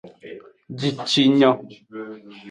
Jicinyo.